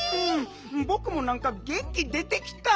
ぼくもなんかげんき出てきた！